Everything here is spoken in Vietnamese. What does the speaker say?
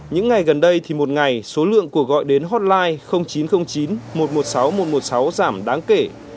những ngày gần đây thì một ngày số lượng cuộc gọi đến hotline chín trăm linh chín một trăm một mươi sáu một trăm một mươi sáu giảm đáng kể